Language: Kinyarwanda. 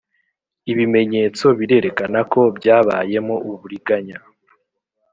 ibimenyetso birerekana ko byabayemo uburiganya